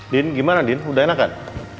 din gimana din udah enak kan